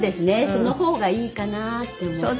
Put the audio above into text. その方がいいかなって思ったり。